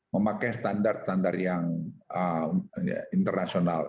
memakai standar standar yang internasional